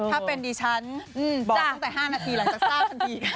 ถ้าเป็นดิฉันบอกตั้งแต่๕นาทีหลังจากทราบทันที